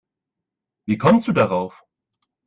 Wie kommst du darauf?